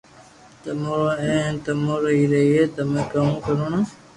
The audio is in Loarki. تمو رو ھي ھين تمو رو ھي رھئي تمو ڪروڻا